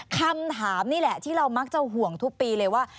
คำถามนี่แหละที่เรามักจะห่วงทุกปีเลยว่า